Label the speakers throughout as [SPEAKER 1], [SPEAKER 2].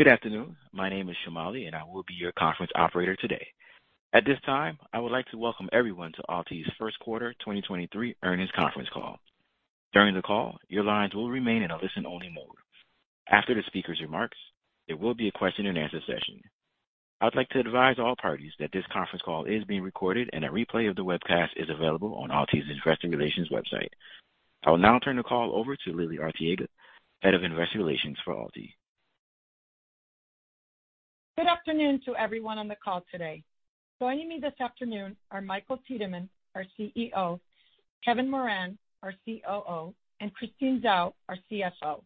[SPEAKER 1] Good afternoon. My name is Shamali, and I will be your conference operator today. At this time, I would like to welcome everyone to AlTi's Q1 2023 earnings conference call. During the call, your lines will remain in a listen-only mode. After the speaker's remarks, there will be a question-and-answer session. I'd like to advise all parties that this conference call is being recorded and a replay of the webcast is available on AlTi's Investor Relations website. I will now turn the call over to Lily Arteaga, Head of Investor Relations for AlTi.
[SPEAKER 2] Good afternoon to everyone on the call today. Joining me this afternoon are Michael Tiedemann, our CEO, Kevin Moran, our COO, and Christine Zhao, our CFO.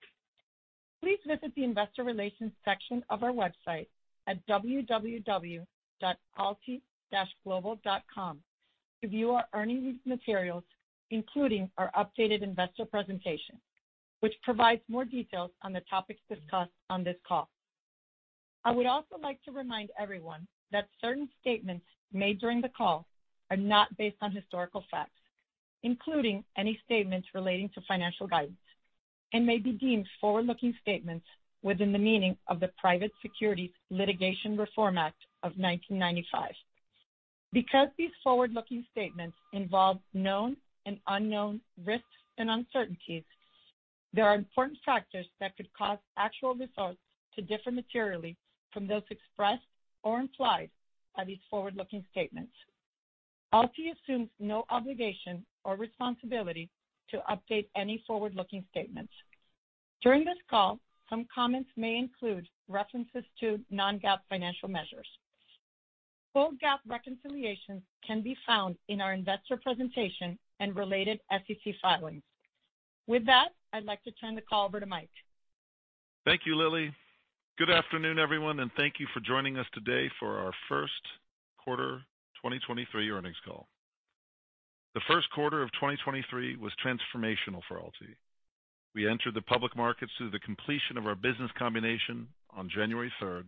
[SPEAKER 2] Please visit the Investor Relations section of our website at www.alti-global.com to view our earnings materials, including our updated investor presentation, which provides more details on the topics discussed on this call. I would also like to remind everyone that certain statements made during the call are not based on historical facts, including any statements relating to financial guidance, and may be deemed forward-looking statements within the meaning of the Private Securities Litigation Reform Act of 1995. Because these forward-looking statements involve known and unknown risks and uncertainties, there are important factors that could cause actual results to differ materially from those expressed or implied by these forward-looking statements. AlTi assumes no obligation or responsibility to update any forward-looking statements. During this call, some comments may include references to non-GAAP financial measures. Full GAAP reconciliations can be found in our investor presentation and related SEC filings. With that, I'd like to turn the call over to Mike.
[SPEAKER 3] Thank you, Lily. Good afternoon, everyone, and thank you for joining us today for our Q1 2023 earnings call. The Q1 of 2023 was transformational for AlTi. We entered the public markets through the completion of our business combination on January 3rd,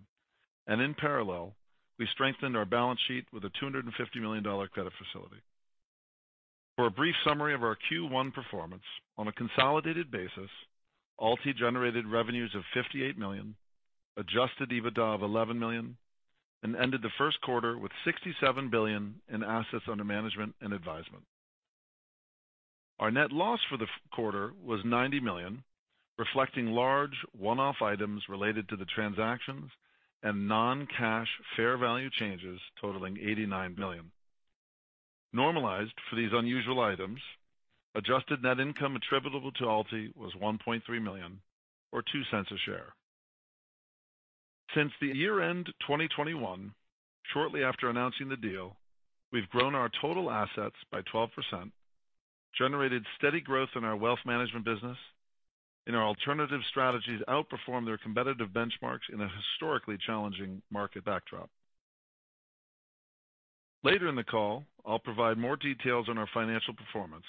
[SPEAKER 3] and in parallel, we strengthened our balance sheet with a $250 million credit facility. For a brief summary of our Q1 performance, on a consolidated basis, AlTi generated revenues of $58 million, adjusted EBITDA of $11 million, and ended the Q1 with $67 billion in assets under management and advisement. Our net loss for the quarter was $90 million, reflecting large one-off items related to the transactions and non-cash fair value changes totaling $89 million. Normalized for these unusual items, adjusted net income attributable to AlTi was $1.3 million or $0.02 a share. Since the year-end 2021, shortly after announcing the deal, we've grown our total assets by 12%, generated steady growth in our wealth management business, and our alternative strategies outperformed their competitive benchmarks in a historically challenging market backdrop. Later in the call, I'll provide more details on our financial performance,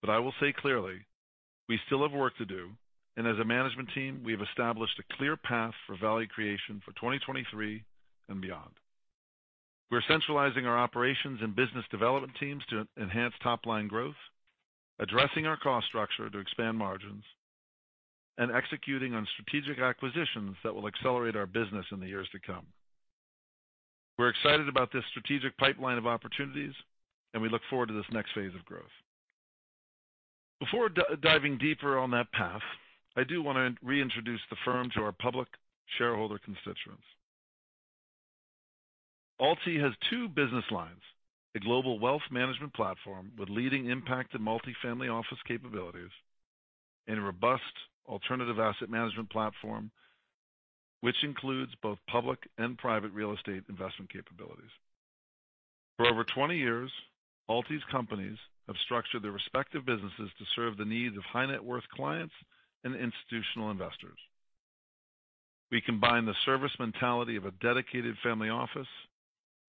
[SPEAKER 3] but I will say clearly, we still have work to do, and as a management team, we have established a clear path for value creation for 2023 and beyond. We're centralizing our operations and business development teams to enhance top-line growth, addressing our cost structure to expand margins, and executing on strategic acquisitions that will accelerate our business in the years to come. We're excited about this strategic pipeline of opportunities, and we look forward to this next phase of growth. Before diving deeper on that path, I do wanna reintroduce the firm to our public shareholder constituents. AlTi has two business lines, a global wealth management platform with leading impact and multifamily office capabilities, and a robust alternative asset management platform, which includes both public and private real estate investment capabilities. For over 20 years, AlTi's companies have structured their respective businesses to serve the needs of high-net-worth clients and institutional investors. We combine the service mentality of a dedicated family office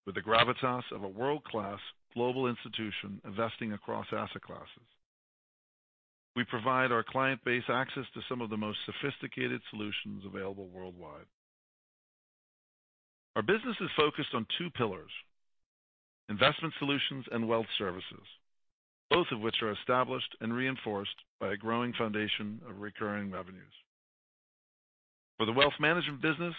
[SPEAKER 3] with the gravitas of a world-class global institution investing across asset classes. We provide our client base access to some of the most sophisticated solutions available worldwide. Our business is focused on two pillars, investment solutions and wealth services, both of which are established and reinforced by a growing foundation of recurring revenues. For the wealth management business,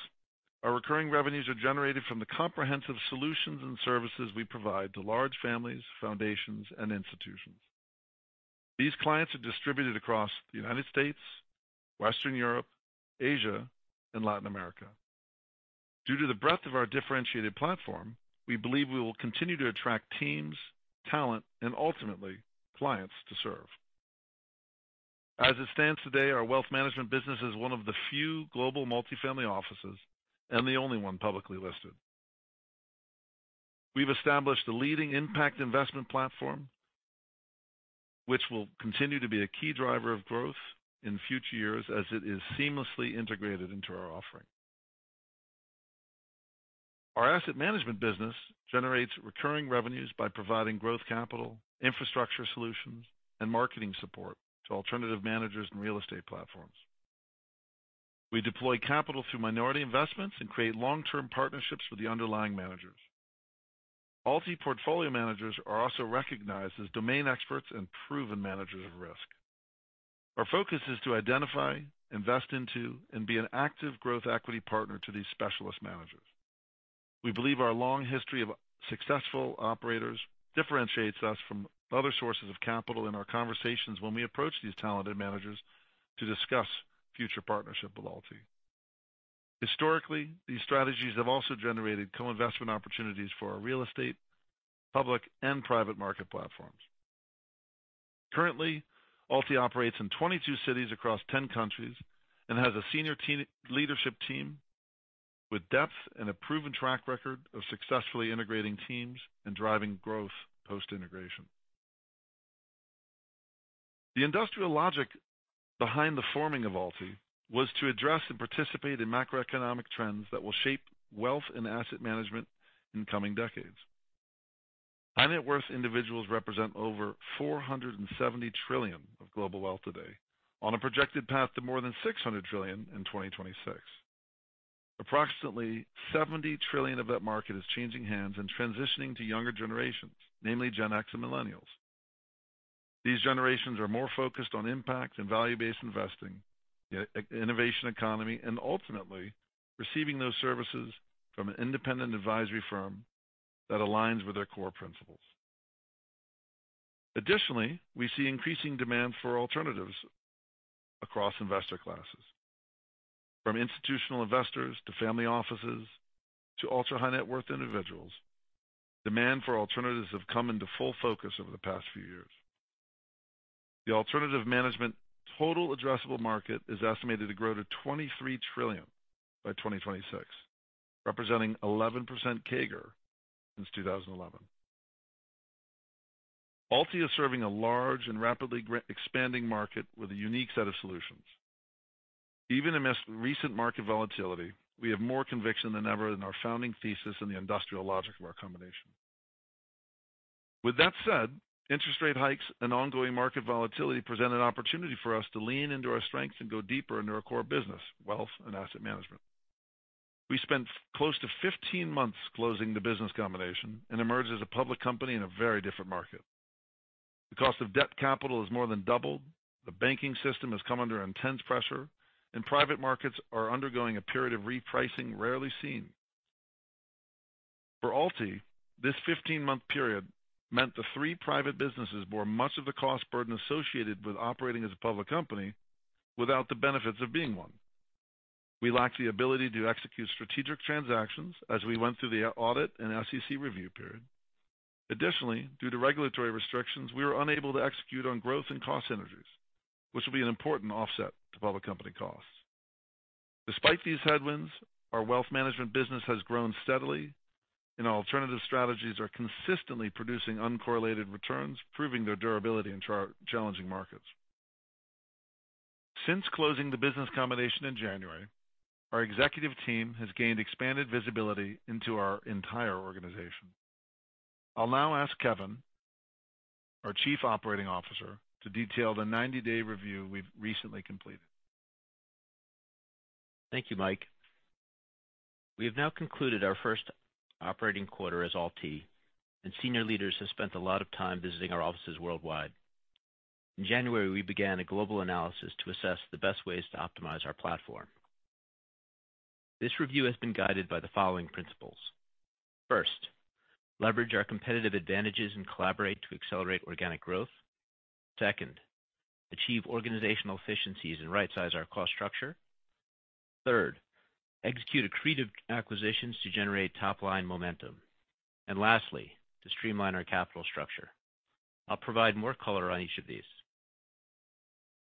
[SPEAKER 3] our recurring revenues are generated from the comprehensive solutions and services we provide to large families, foundations, and institutions. These clients are distributed across the United States, Western Europe, Asia, and Latin America. Due to the breadth of our differentiated platform, we believe we will continue to attract teams, talent, and ultimately clients to serve. As it stands today, our wealth management business is one of the few global multifamily offices and the only one publicly listed. We've established a leading impact investment platform which will continue to be a key driver of growth in future years as it is seamlessly integrated into our offering. Our asset management business generates recurring revenues by providing growth capital, infrastructure solutions, and marketing support to alternative managers and real estate platforms. We deploy capital through minority investments and create long-term partnerships with the underlying managers. AlTi portfolio managers are also recognized as domain experts and proven managers of risk. Our focus is to identify, invest into, and be an active growth equity partner to these specialist managers. We believe our long history of successful operators differentiates us from other sources of capital in our conversations when we approach these talented managers to discuss future partnership with AlTi. Historically, these strategies have also generated co-investment opportunities for our real estate, public and private market platforms. Currently, AlTi operates in 22 cities across 10 countries and has a senior leadership team with depth and a proven track record of successfully integrating teams and driving growth post-integration. The industrial logic behind the forming of AlTi was to address and participate in macroeconomic trends that will shape wealth and asset management in coming decades. High net worth individuals represent over $470 trillion of global wealth today on a projected path to more than $600 trillion in 2026. Approximately $70 trillion of that market is changing hands and transitioning to younger generations, namely Gen X and Millennials. These generations are more focused on impact and value-based investing, innovation economy, and ultimately receiving those services from an independent advisory firm that aligns with their core principles. We see increasing demand for alternatives across investor classes. From institutional investors to family offices to ultra-high net worth individuals, demand for alternatives have come into full focus over the past few years. The alternative management total addressable market is estimated to grow to $23 trillion by 2026, representing 11% CAGR since 2011. AlTi is serving a large and rapidly expanding market with a unique set of solutions. Even amidst recent market volatility, we have more conviction than ever in our founding thesis and the industrial logic of our combination. With that said, interest rate hikes and ongoing market volatility present an opportunity for us to lean into our strengths and go deeper into our core business, wealth and asset management. We spent close to 15 months closing the business combination and emerged as a public company in a very different market. The cost of debt capital has more than doubled. The banking system has come under intense pressure. Private markets are undergoing a period of repricing rarely seen. For AlTi, this 15-month period meant the three private businesses bore much of the cost burden associated with operating as a public company without the benefits of being one. We lacked the ability to execute strategic transactions as we went through the audit and SEC review period. Additionally, due to regulatory restrictions, we were unable to execute on growth and cost synergies, which will be an important offset to public company costs. Despite these headwinds, our wealth management business has grown steadily, and our alternative strategies are consistently producing uncorrelated returns, proving their durability in challenging markets. Since closing the business combination in January, our executive team has gained expanded visibility into our entire organization. I'll now ask Kevin, our Chief Operating Officer, to detail the 90-day review we've recently completed.
[SPEAKER 4] Thank you, Mike. We have now concluded our first operating quarter as AlTi, and senior leaders have spent a lot of time visiting our offices worldwide. In January, we began a global analysis to assess the best ways to optimize our platform. This review has been guided by the following principles. First, leverage our competitive advantages and collaborate to accelerate organic growth. Second, achieve organizational efficiencies and right-size our cost structure. Third, execute accretive acquisitions to generate top-line momentum. Lastly, to streamline our capital structure. I'll provide more color on each of these.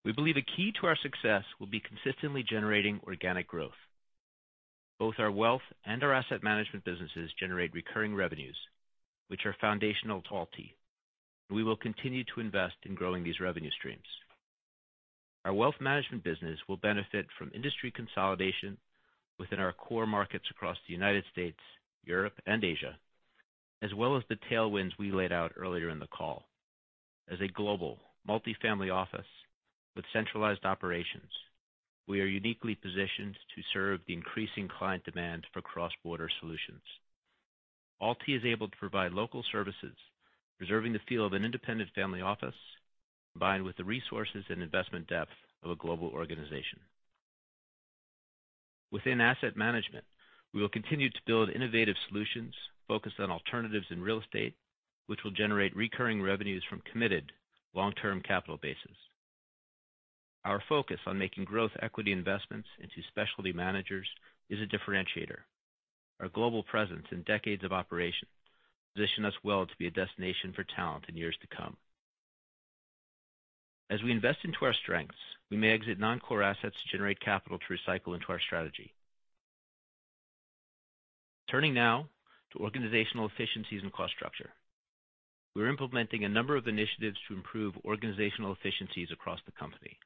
[SPEAKER 4] We believe a key to our success will be consistently generating organic growth. Both our wealth and our asset management businesses generate recurring revenues, which are foundational to AlTi. We will continue to invest in growing these revenue streams. Our wealth management business will benefit from industry consolidation within our core markets across the United States, Europe, and Asia, as well as the tailwinds we laid out earlier in the call. As a global multi-family office with centralized operations, we are uniquely positioned to serve the increasing client demand for cross-border solutions. AlTi is able to provide local services, preserving the feel of an independent family office, combined with the resources and investment depth of a global organization. Within asset management, we will continue to build innovative solutions focused on alternatives in real estate, which will generate recurring revenues from committed long-term capital bases. Our focus on making growth equity investments into specialty managers is a differentiator. Our global presence and decades of operation position us well to be a destination for talent in years to come. As we invest into our strengths, we may exit non-core assets to generate capital to recycle into our strategy. Turning now to organizational efficiencies and cost structure. We're implementing a number of initiatives to improve organizational efficiencies across the company.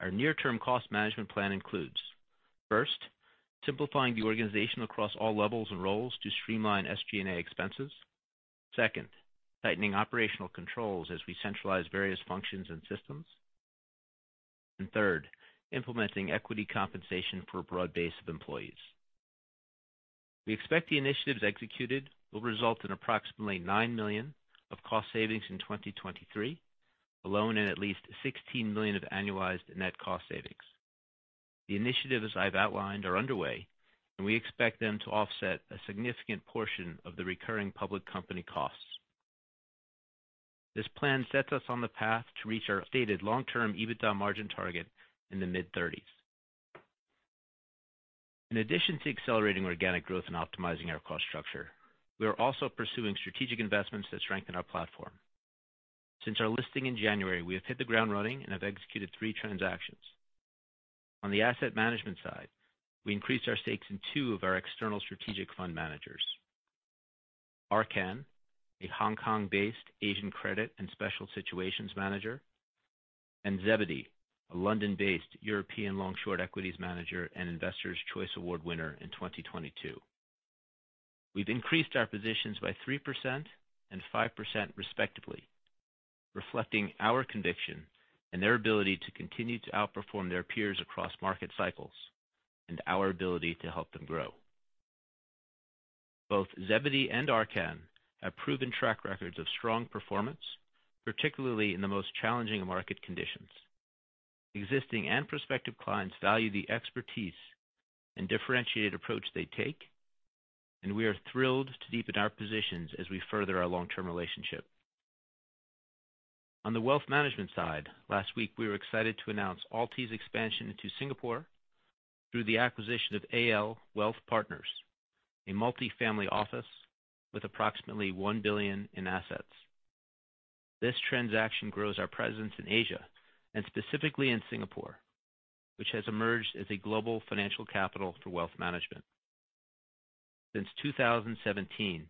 [SPEAKER 4] Our near term cost management plan includes, first, simplifying the organization across all levels and roles to streamline SG&A expenses. Second, tightening operational controls as we centralize various functions and systems. Third, implementing equity compensation for a broad base of employees. We expect the initiatives executed will result in approximately $9 million of cost savings in 2023 alone and at least $16 million of annualized net cost savings. The initiatives I've outlined are underway, and we expect them to offset a significant portion of the recurring public company costs. This plan sets us on the path to reach our stated long-term EBITDA margin target in the mid-thirties. In addition to accelerating organic growth and optimizing our cost structure, we are also pursuing strategic investments that strengthen our platform. Since our listing in January, we have hit the ground running and have executed three transactions. On the asset management side, we increased our stakes in two of our external strategic fund managers, Arkkan, a Hong Kong-based Asian credit and special situations manager, and Zebedee, a London-based European long-short equities manager and Investors' Choice Award winner in 2022. We've increased our positions by 3% and 5% respectively, reflecting our conviction in their ability to continue to outperform their peers across market cycles and our ability to help them grow. Both Zebedee and Arkkan have proven track records of strong performance, particularly in the most challenging market conditions. Existing and prospective clients value the expertise and differentiated approach they take, and we are thrilled to deepen our positions as we further our long-term relationship. On the wealth management side, last week we were excited to announce AlTi's expansion into Singapore through the acquisition of AL Wealth Partners, a multifamily office with approximately $1 billion in assets. This transaction grows our presence in Asia and specifically in Singapore, which has emerged as a global financial capital for wealth management. Since 2017,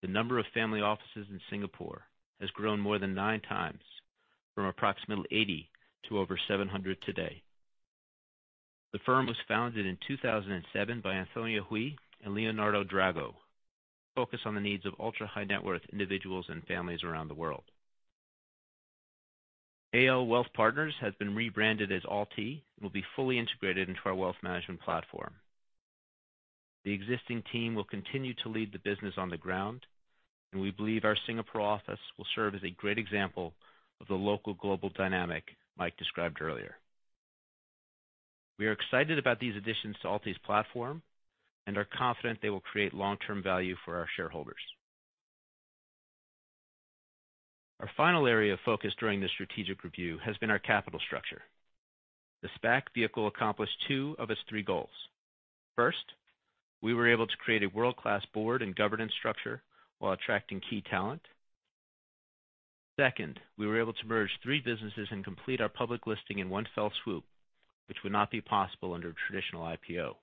[SPEAKER 4] the number of family offices in Singapore has grown more than nine times, from approximately 80 to over 700 today. The firm was founded in 2007 by Anthonia Hui and Leonardo Drago, focused on the needs of ultra-high net worth individuals and families around the world. AL Wealth Partners has been rebranded as AlTi and will be fully integrated into our wealth management platform. The existing team will continue to lead the business on the ground, and we believe our Singapore office will serve as a great example of the local global dynamic Mike described earlier. We are excited about these additions to AlTi's platform and are confident they will create long-term value for our shareholders. Our final area of focus during the strategic review has been our capital structure. The SPAC vehicle accomplished two of its three goals. First, we were able to create a world-class board and governance structure while attracting key talent. Second, we were able to merge three businesses and complete our public listing in one fell swoop, which would not be possible under a traditional IPO.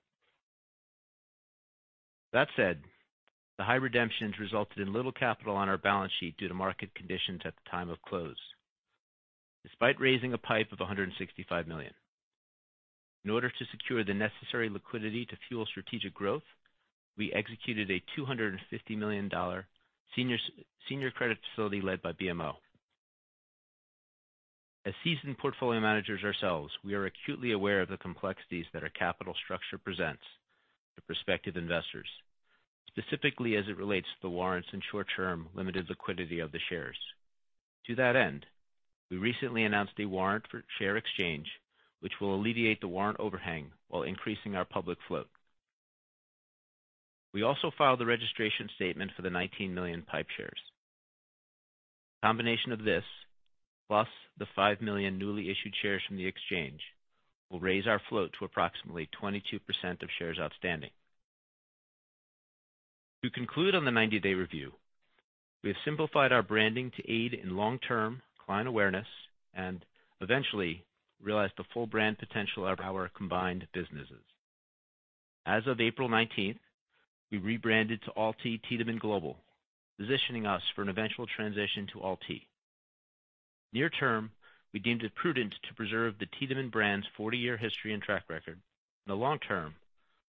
[SPEAKER 4] The high redemptions resulted in little capital on our balance sheet due to market conditions at the time of close, despite raising a PIPE of $165 million. In order to secure the necessary liquidity to fuel strategic growth, we executed a $250 million senior credit facility led by BMO. As seasoned portfolio managers ourselves, we are acutely aware of the complexities that our capital structure presents to prospective investors, specifically as it relates to the warrants and short-term limited liquidity of the shares. We recently announced a warrant for share exchange, which will alleviate the warrant overhang while increasing our public float. We also filed the registration statement for the 19 million PIPE shares. A combination of this, plus the $5 million newly issued shares from the exchange, will raise our float to approximately 22% of shares outstanding. To conclude on the 90-day review, we have simplified our branding to aid in long-term client awareness and eventually realize the full brand potential of our combined businesses. As of April 19th, we rebranded to AlTi Tiedemann Global, positioning us for an eventual transition to AlTi. Near term, we deemed it prudent to preserve the Tiedemann brand's 40-year history and track record. In the long term,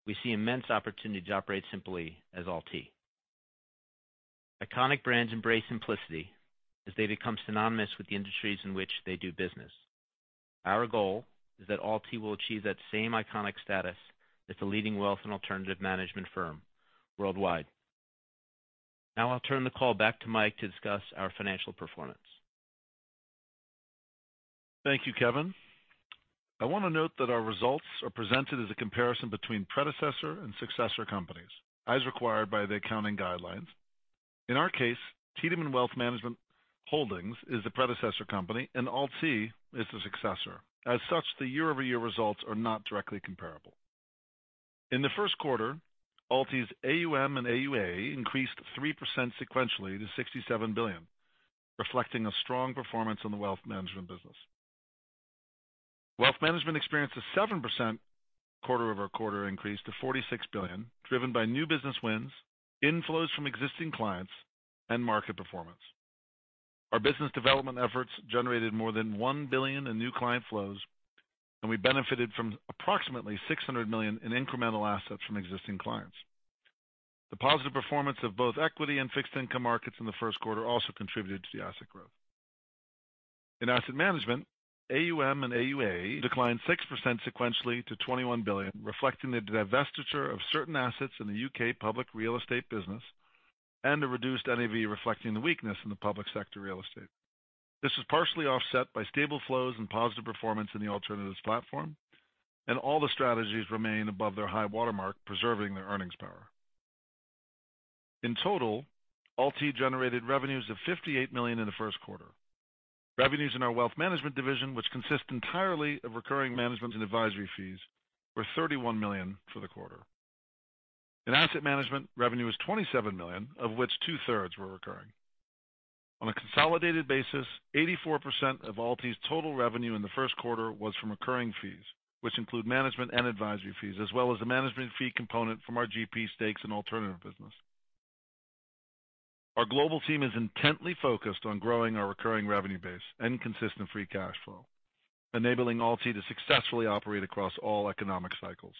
[SPEAKER 4] we see immense opportunity to operate simply as AlTi. Iconic brands embrace simplicity as they become synonymous with the industries in which they do business. Our goal is that AlTi will achieve that same iconic status as the leading wealth and alternative management firm worldwide. I'll turn the call back to Mike to discuss our financial performance.
[SPEAKER 3] Thank you, Kevin. I want to note that our results are presented as a comparison between predecessor and successor companies, as required by the accounting guidelines. In our case, Tiedemann Wealth Management Holdings is the predecessor company, and AlTi is the successor. The year-over-year results are not directly comparable. In the Q1, AlTi's AUM and AUA increased 3% sequentially to $67 billion, reflecting a strong performance on the wealth management business. Wealth management experienced a 7% quarter-over-quarter increase to $46 billion, driven by new business wins, inflows from existing clients, and market performance. Our business development efforts generated more than $1 billion in new client flows, and we benefited from approximately $600 million in incremental assets from existing clients. The positive performance of both equity and fixed income markets in the Q1 also contributed to the asset growth. In asset management, AUM and AUA declined 6% sequentially to $21 billion, reflecting the divestiture of certain assets in the U.K. public real estate business and a reduced NAV reflecting the weakness in the public sector real estate. This was partially offset by stable flows and positive performance in the alternatives platform, and all the strategies remain above their high water mark, preserving their earnings power. In total, AlTi generated revenues of $58 million in the Q1. Revenues in our wealth management division, which consist entirely of recurring management and advisory fees, were $31 million for the quarter. In asset management, revenue was $27 million, of which two-thirds were recurring. On a consolidated basis, 84% of AlTi's total revenue in the Q1 was from recurring fees, which include management and advisory fees, as well as a management fee component from our GP stakes and alternative business. Our global team is intently focused on growing our recurring revenue base and consistent free cash flow, enabling AlTi to successfully operate across all economic cycles.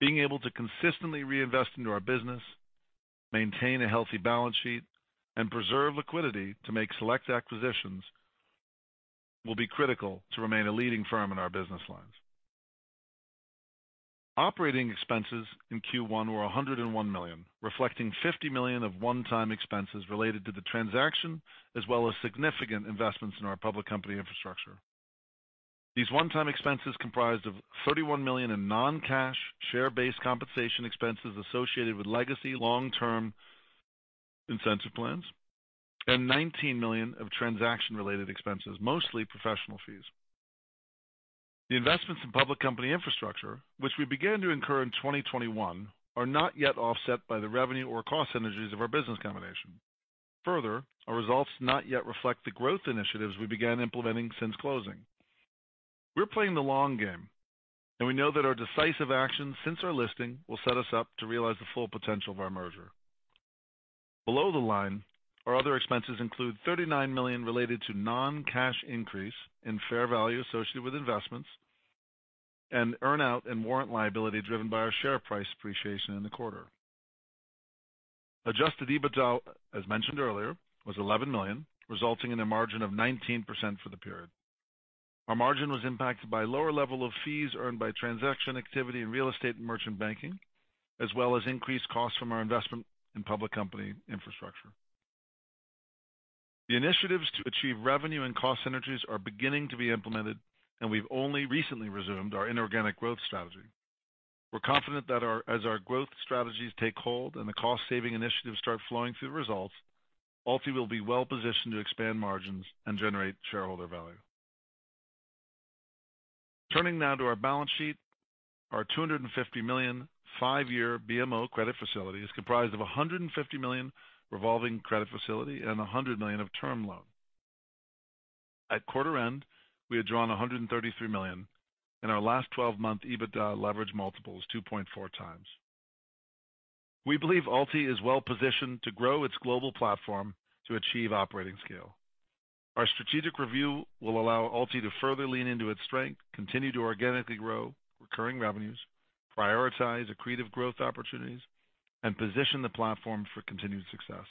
[SPEAKER 3] Being able to consistently reinvest into our business, maintain a healthy balance sheet, and preserve liquidity to make select acquisitions will be critical to remain a leading firm in our business lines. Operating expenses in Q1 were $101 million, reflecting $50 million of one-time expenses related to the transaction, as well as significant investments in our public company infrastructure. These one-time expenses comprised of $31 million in non-cash share-based compensation expenses associated with legacy long-term incentive plans and $19 million of transaction-related expenses, mostly professional fees. The investments in public company infrastructure, which we began to incur in 2021, are not yet offset by the revenue or cost synergies of our business combination. Further, our results not yet reflect the growth initiatives we began implementing since closing. We're playing the long game, and we know that our decisive actions since our listing will set us up to realize the full potential of our merger. Below the line, our other expenses include $39 million related to non-cash increase in fair value associated with investments and earn-out and warrant liability driven by our share price appreciation in the quarter. Adjusted EBITDA, as mentioned earlier, was $11 million, resulting in a margin of 19% for the period. Our margin was impacted by lower level of fees earned by transaction activity in real estate and merchant banking, as well as increased costs from our investment in public company infrastructure. The initiatives to achieve revenue and cost synergies are beginning to be implemented, and we've only recently resumed our inorganic growth strategy. We're confident that as our growth strategies take hold and the cost-saving initiatives start flowing through the results, AlTi will be well positioned to expand margins and generate shareholder value. Turning now to our balance sheet. Our $250 million five-year BMO credit facility is comprised of a $150 million revolving credit facility and a $100 million of term loan. At quarter end, we had drawn $133 million, and our last twelve-month EBITDA leverage multiple is 2.4 times. We believe AlTi is well positioned to grow its global platform to achieve operating scale. Our strategic review will allow AlTi to further lean into its strength, continue to organically grow recurring revenues, prioritize accretive growth opportunities, and position the platform for continued success.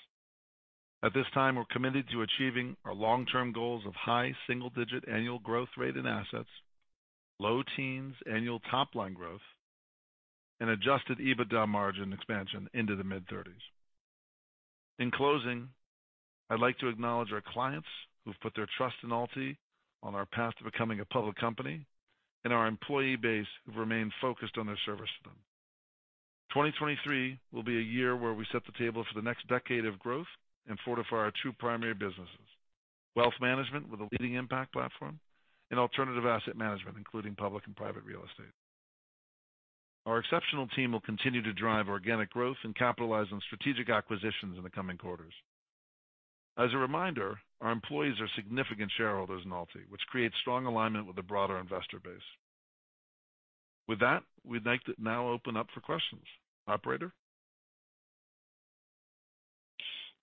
[SPEAKER 3] At this time, we're committed to achieving our long-term goals of high single-digit annual growth rate in assets, low teens annual top line growth, and adjusted EBITDA margin expansion into the mid-30s. In closing, I'd like to acknowledge our clients who've put their trust in AlTi on our path to becoming a public company and our employee base who've remained focused on their service to them. 2023 will be a year where we set the table for the next decade of growth and fortify our two primary businesses, wealth management with a leading impact platform and alternative asset management, including public and private real estate. Our exceptional team will continue to drive organic growth and capitalize on strategic acquisitions in the coming quarters. As a reminder, our employees are significant shareholders in AlTi, which creates strong alignment with the broader investor base. With that, we'd like to now open up for questions. Operator?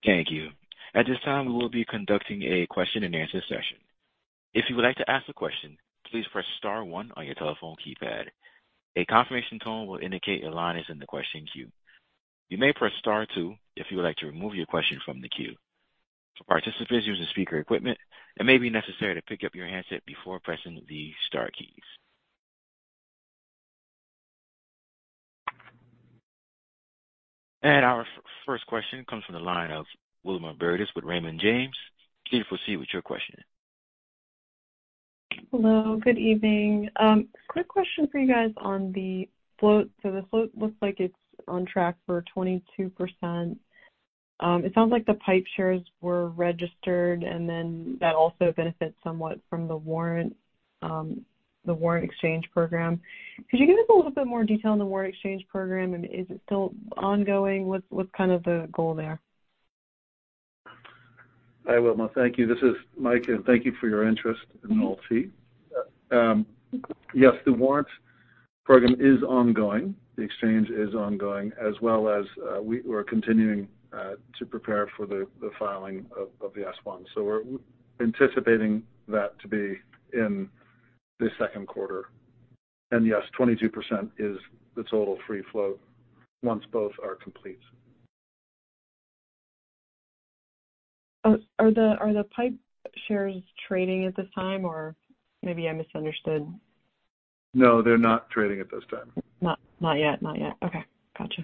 [SPEAKER 1] Thank you. At this time, we will be conducting a question-and-answer session. If you would like to ask a question, please press star one on your telephone keypad. A confirmation tone will indicate your line is in the question queue. You may press star two if you would like to remove your question from the queue. For participants using speaker equipment, it may be necessary to pick up your handset before pressing the star keys. Our first question comes from the line of Wilma Burdis with Raymond James. Please proceed with your question.
[SPEAKER 5] Hello, good evening. quick question for you guys on the float. The float looks like it's on track for 22%. it sounds like the PIPE shares were registered and then that also benefits somewhat from the warrant, the warrant exchange program. Could you give us a little bit more detail on the warrant exchange program, and is it still ongoing? What's kind of the goal there?
[SPEAKER 3] Hi, Wilma. Thank you. This is Mike, and thank you for your interest in AlTi. Yes, the warrant program is ongoing. The exchange is ongoing as well as we're continuing to prepare for the filing of the S-1. We're anticipating that to be in. The Q2. Yes, 22% is the total free flow once both are complete.
[SPEAKER 5] Are the, are the PIPE shares trading at this time or maybe I misunderstood.
[SPEAKER 3] No, they're not trading at this time.
[SPEAKER 5] Not yet. Not yet. Okay. Gotcha.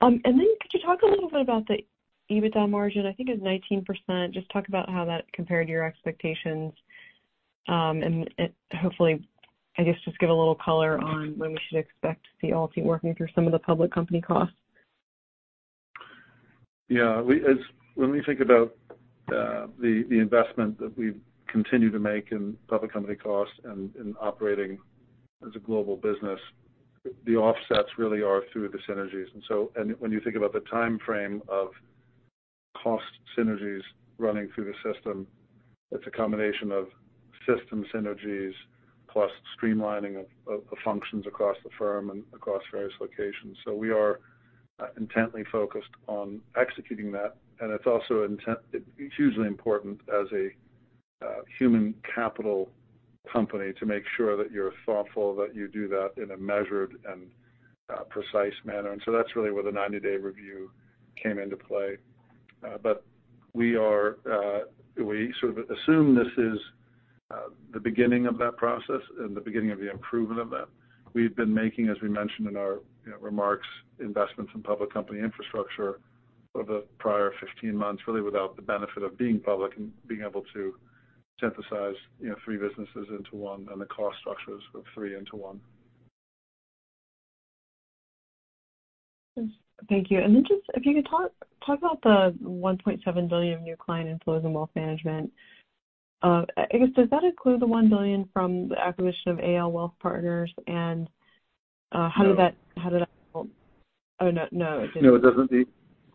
[SPEAKER 5] Then could you talk a little bit about the EBITDA margin? I think it was 19%. Just talk about how that compared to your expectations, and hopefully, I guess, just give a little color on when we should expect the AlTi working through some of the public company costs.
[SPEAKER 3] Yeah. When we think about the investment that we continue to make in public company costs and in operating as a global business, the offsets really are through the synergies. When you think about the timeframe of cost synergies running through the system, it's a combination of system synergies plus streamlining of the functions across the firm and across various locations. We are intently focused on executing that. It's also hugely important as a human capital company to make sure that you're thoughtful, that you do that in a measured and precise manner. That's really where the 90-day review came into play. We are, we sort of assume this is the beginning of that process and the beginning of the improvement of that. We've been making, as we mentioned in our, you know, remarks, investments in public company infrastructure for the prior 15 months, really without the benefit of being public and being able to synthesize, you know, three businesses into one and the cost structures of three into one.
[SPEAKER 5] Thank you. Just if you could talk about the $1.7 billion new client inflows in wealth management. I guess, does that include the $1 billion from the acquisition of AL Wealth Partners, and?
[SPEAKER 3] No.
[SPEAKER 5] How did that. Oh, no, it didn't.
[SPEAKER 3] No, it doesn't need.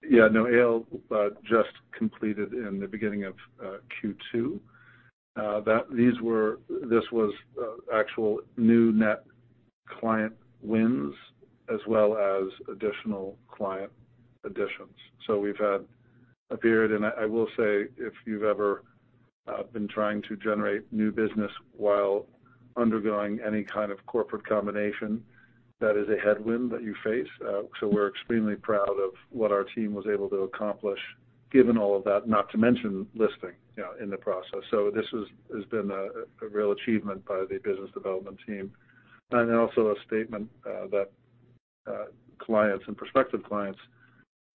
[SPEAKER 3] Yeah. No AL just completed in the beginning of Q2. This was actual new net client wins as well as additional client additions. We've had a period. I will say, if you've ever been trying to generate new business while undergoing any kind of corporate combination, that is a headwind that you face. We're extremely proud of what our team was able to accomplish given all of that, not to mention listing, you know, in the process. This is, has been a real achievement by the business development team. Also a statement that clients and prospective clients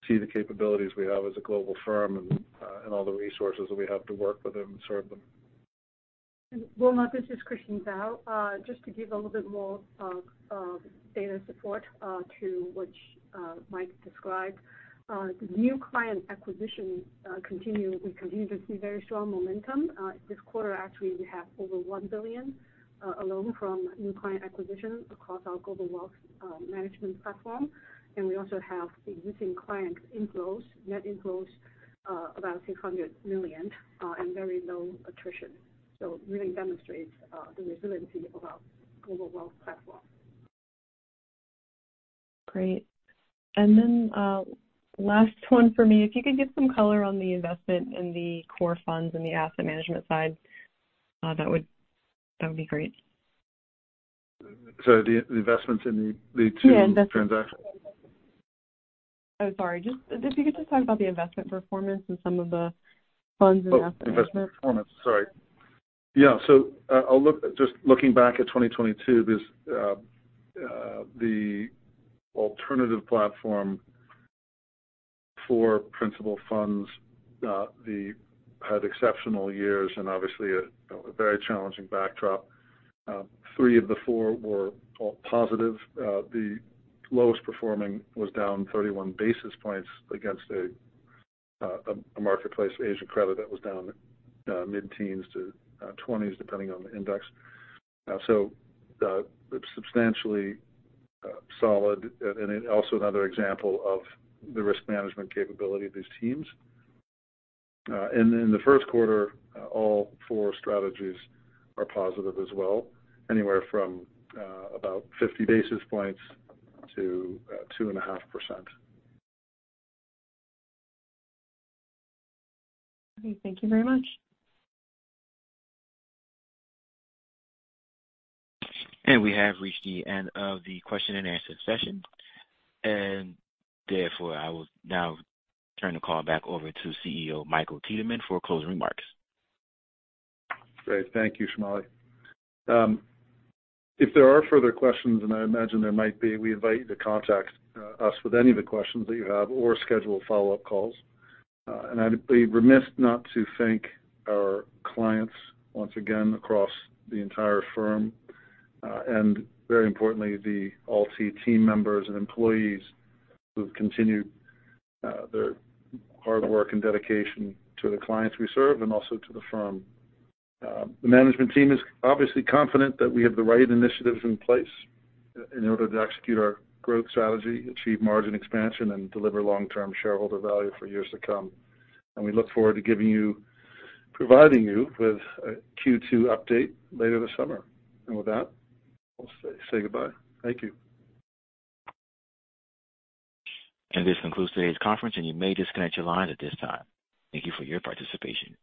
[SPEAKER 3] see the capabilities we have as a global firm and all the resources that we have to work with them and serve them.
[SPEAKER 6] Wilma, this is Christine Zhao. Just to give a little bit more data support to what Mike described. The new client acquisition, we continue to see very strong momentum. This quarter, actually, we have over $1 billion alone from new client acquisition across our global wealth management platform. We also have the existing client inflows, net inflows, about $600 million and very low attrition. Really demonstrates the resiliency of our global wealth platform.
[SPEAKER 5] Great. Last one for me. If you could give some color on the investment in the core funds and the asset management side, that would be great.
[SPEAKER 3] The investments in the.
[SPEAKER 5] Yeah, invest.
[SPEAKER 3] Transactions.
[SPEAKER 5] Oh, sorry. If you could just talk about the investment performance and some of the funds and asset management?
[SPEAKER 3] Investment performance. Sorry. Yeah. Just looking back at 2022, this, the alternative platform for principal funds had exceptional years and obviously, you know, a very challenging backdrop. Three of the four were all positive. The lowest performing was down 31 basis points against a marketplace Asian credit that was down mid-teens to 20s, depending on the index. Substantially solid. And it also another example of the risk management capability of these teams. In the Q1, all four strategies are positive as well, anywhere from about 50 basis points to 2.5%.
[SPEAKER 5] Okay. Thank you very much.
[SPEAKER 1] We have reached the end of the question and answer session. Therefore, I will now turn the call back over to CEO Michael Tiedemann for closing remarks.
[SPEAKER 3] Great. Thank you, Shamali. If there are further questions, and I imagine there might be, we invite you to contact us with any of the questions that you have or schedule follow-up calls. I'd be remiss not to thank our clients once again across the entire firm. Very importantly, the AlTi team members and employees who've continued their hard work and dedication to the clients we serve and also to the firm. The management team is obviously confident that we have the right initiatives in place in order to execute our growth strategy, achieve margin expansion, and deliver long-term shareholder value for years to come. We look forward to providing you with a Q2 update later this summer. With that, I'll say goodbye. Thank you.
[SPEAKER 1] This concludes today's conference, and you may disconnect your lines at this time. Thank you for your participation.